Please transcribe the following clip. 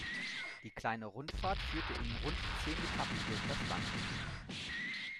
Die kleine Rundfahrt führte in rund zehn Etappen durch das Land.